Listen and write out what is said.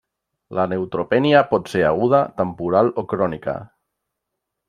La neutropènia pot ser aguda, temporal o crònica.